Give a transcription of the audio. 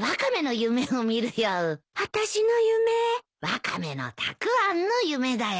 ワカメのたくあんの夢だよ。